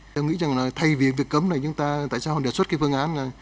tôi nghĩ rằng là thay vì việc cấm này chúng ta tại sao họ đề xuất cái phương án là